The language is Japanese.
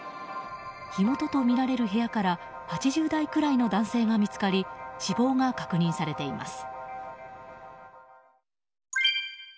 火元とみられる部屋から８０代くらいの男性が見つかり死亡が確認されています。